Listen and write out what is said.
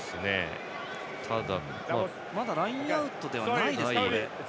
ただ、まだラインアウトではないですね。